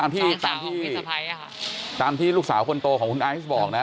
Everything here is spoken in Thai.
อันนี้ตามที่ลูกสาวคนโตของคุณไอซ์บอกนะ